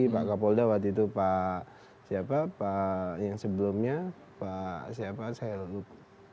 pak kapolda waktu itu pak siapa pak yang sebelumnya pak siapa sayal hub